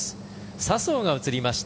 笹生が映りました